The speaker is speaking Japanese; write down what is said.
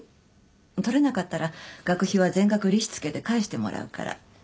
取れなかったら学費は全額利子付けて返してもらうから。